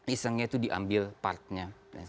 isengnya itu diambil partnya